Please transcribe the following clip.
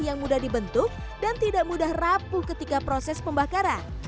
yang mudah dibentuk dan tidak mudah rapuh ketika proses pembakaran